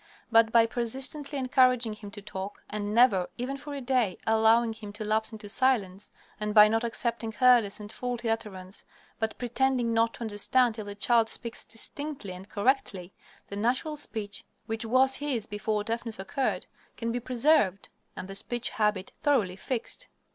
But by persistently encouraging him to talk, and never, even for a day, allowing him to lapse into silence, and _by not accepting careless and faulty utterance, but pretending not to understand till the child speaks distinctly and correctly_, the natural speech, which was his before deafness occurred, can be preserved, and the speech habit thoroughly fixed.